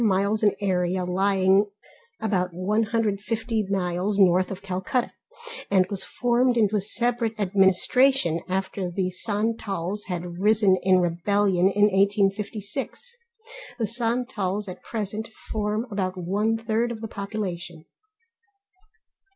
miles in area, lying about 150 miles north of Calcutta, and was formed into a separate administration after the Santals had risen in rebellion in 1856. The Santals at present form about one third of the population.